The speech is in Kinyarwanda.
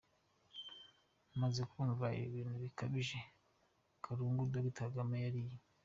Maze kwumva ibi bintu nibajije Karungu Dr. Kagame yariye.